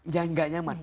ya gak nyaman